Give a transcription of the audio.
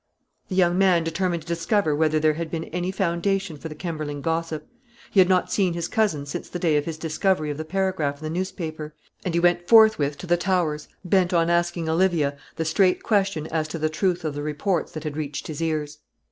The young man determined to discover whether there had been any foundation for the Kemberling gossip. He had not seen his cousin since the day of his discovery of the paragraph in the newspaper, and he went forthwith to the Towers, bent on asking Olivia the straight question as to the truth of the reports that had reached his ears.